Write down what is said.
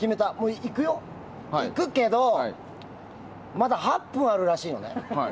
いくけどまだ８分あるらしいのね。